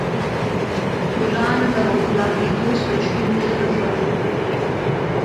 کوالان د اوکالیپتوس په شتون کې ښه ژوند وکړ.